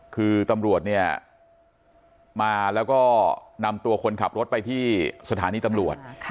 คือตำรวจเนี่ยมาแล้วก็นำตัวคนขับรถไปที่สถานีตำรวจ